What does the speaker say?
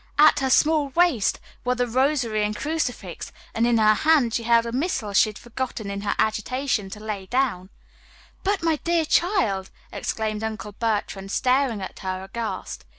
At her small waist were the rosary and crucifix, and in her hand she held a missal she had forgotten in her agitation to lay down "But, my dear child," exclaimed Uncle Bertrand, staring at her aghast.